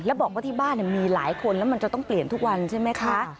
แล้วบอกว่าที่บ้านมีหลายคนแล้วมันจะต้องเปลี่ยนทุกวันใช่ไหมคะ